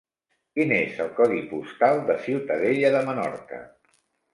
Quin és el codi postal de Ciutadella de Menorca?